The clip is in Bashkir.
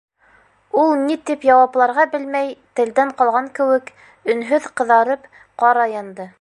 Ул ни тип яуапларға белмәй, телдән ҡалған кеүек, өнһөҙ ҡыҙарып, ҡара янды.